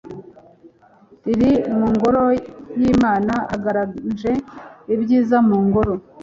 r/ mu ngoro y'imana haganje ibyiza, mu ngoro